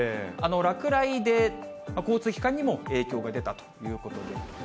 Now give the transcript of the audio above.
落雷で交通機関にも影響が出たということで。